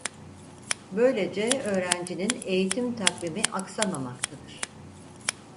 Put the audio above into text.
Böylece öğrencinin eğitim takvimi aksamamaktadır.